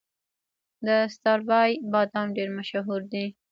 د ستاربای بادام ډیر مشهور دي.